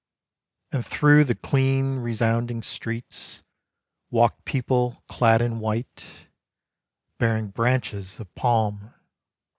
And through the clean, resounding streets, Walked people clad in white, Bearing branches of palm.